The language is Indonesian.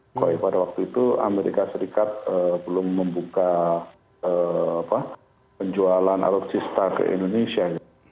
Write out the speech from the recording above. sukhoi pada waktu itu amerika serikat belum membuka penjualan alutsista ke indonesia